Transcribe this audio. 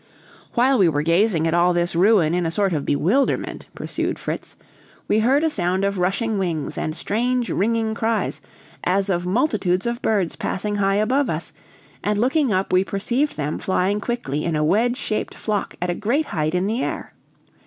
"While we were gazing at all this ruin in a sort of bewilderment," pursued Fritz, "we heard a sound of rushing wings and strange ringing cries, as of multitudes of birds passing high above us, and looking up we perceived them flying quickly in a wedge shaped flock at a great height in the air.